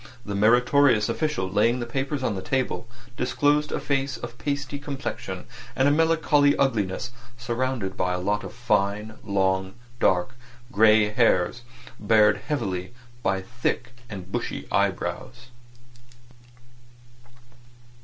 This meritorious official laying the papers on the table, disclosed a face of pasty complexion and of melancholy ugliness surrounded by a lot of fine, long dark grey hairs, barred heavily by thick and bushy eyebrows.